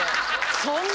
そんな？